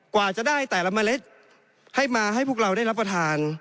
กว่าจะได้แต่ละเมล็ดให้มาให้พวกเราได้รับประทาน